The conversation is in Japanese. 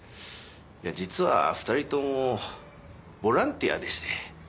実は２人ともボランティアでして。